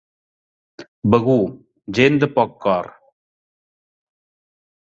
Begur, gent de poc cor.